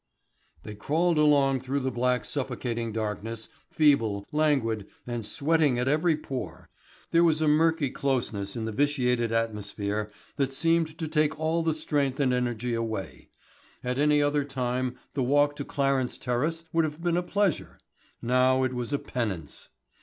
They crawled along through the black suffocating darkness, feeble, languid, and sweating at every pore. There was a murky closeness in the vitiated atmosphere that seemed to take all the strength and energy away. At any other time the walk to Clarence Terrace would have been a pleasure, now it was a penance.